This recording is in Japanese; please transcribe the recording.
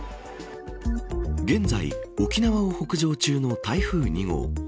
現在、沖縄を北上中の台風２号。